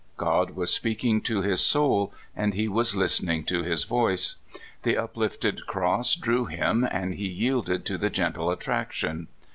God was speak ing to his soul, and he was listening to his voice. The uplifted cross drew him, and he yielded to the gentle attraction.